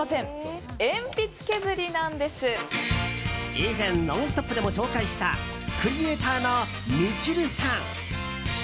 以前、「ノンストップ！」でも紹介したクリエーターのミチルさん。